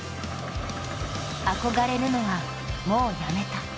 憧れるのはもうやめた。